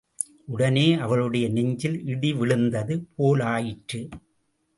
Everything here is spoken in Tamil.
உடனே அவளுடைய நெஞ்சில் இடி விழுந்தது போலாயிற்று.